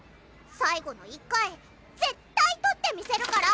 最後の１回絶対取ってみせるから！